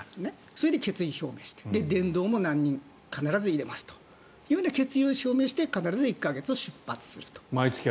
それで決意表明してそして、伝道も何人必ず入れますと決意を表明して１か月出発すると。